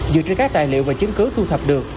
dựa trên các tài liệu và chứng cứ thu thập được